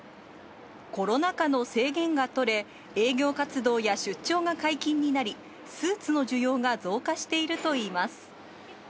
コロナ禍の制限が取れ、営業活動や出張が解禁になり、スーツの需要が増加しているといいます。